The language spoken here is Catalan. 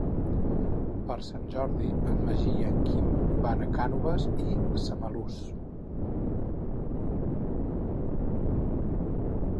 Per Sant Jordi en Magí i en Quim van a Cànoves i Samalús.